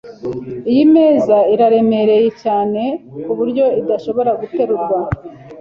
Iyi meza iraremereye cyane ku buryo idashobora guterurwa.